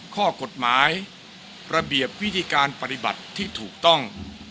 ข้อกฎหมายระเบียบวิธีการปฏิบัติที่ถูกต้อง